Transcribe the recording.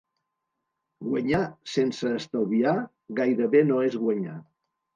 Guanyar sense estalviar, gairebé no és guanyar.